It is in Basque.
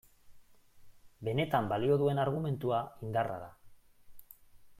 Benetan balio duen argumentua indarra da.